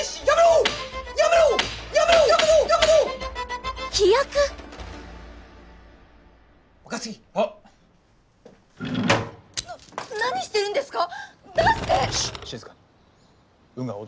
何言ってるんですか？